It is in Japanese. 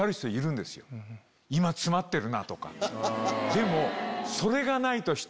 でも。